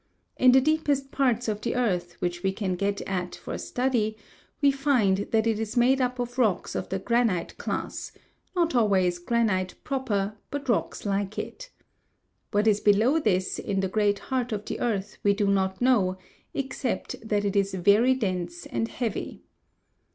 In the deepest parts of the earth which we can get at for study, we find that it is made up of rocks of the granite class; not always granite proper, but rocks like it. What is below this in the great heart of the earth we do not know, except that it is very dense and heavy.